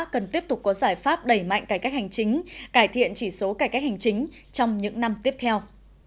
cần tiếp tục có giải pháp đẩy mạnh cải cách hành chính cải thiện chỉ số cải cách hành chính trong những năm tiếp theo